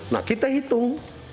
nah kita hitung